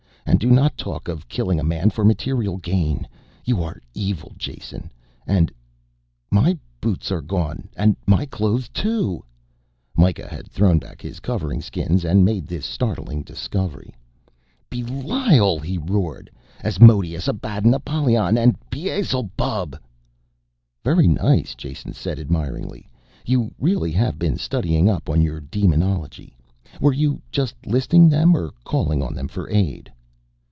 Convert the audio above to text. "And do not talk of killing a man for material gain. You are evil, Jason, and.... My boots are gone and my clothes, too!" Mikah had thrown back his covering skins and made this startling discovery. "Belial!" he roared. "Asmodeus, Abaddon, Apollyon and Baal zebub!" "Very nice," Jason said admiringly, "you really have been studying up on your demonology. Were you just listing them or calling on them for aid?"